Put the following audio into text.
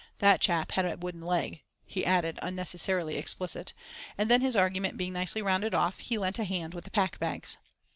That chap had a wooden leg," he added, unnecessarily explicit; and then his argument being nicely rounded off, he lent a hand with the pack bags.